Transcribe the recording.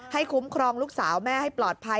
คุ้มครองลูกสาวแม่ให้ปลอดภัย